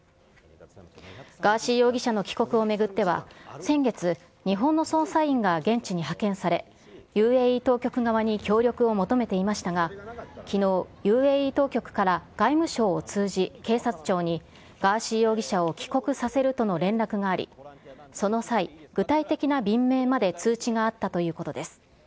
ガーシー容疑者の帰国を巡っては、先月、日本の捜査員が現地に派遣され、ＵＡＥ当局側に協力を求めていましたが、きのう、ＵＡＥ当局から外務省を通じ、警察庁に、ガーシー容疑者を帰国させるとの連絡があり、その際、具体的な便名まで通知があったということです。